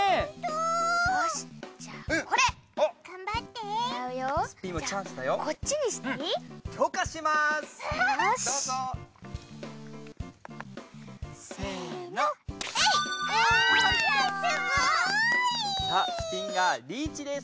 すごい！さあスピンがリーチです。